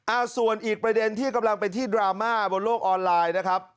อ่าส่วนอีกประเด็นที่กำลังเป็นที่ดราม่าบนโลกออนไลน์นะครับ